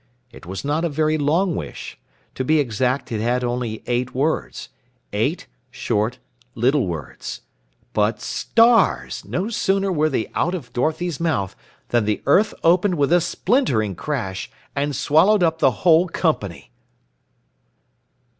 It was not a very long wish. To be exact, it had only eight words. Eight short little words! But stars! No sooner were they out of Dorothy's mouth than the earth opened with a splintering crash and swallowed up the whole company!